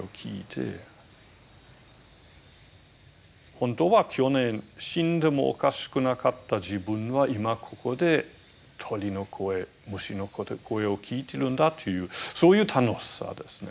本当は去年死んでもおかしくなかった自分は今ここで鳥の声虫の声を聴いているんだというそういう楽しさですね。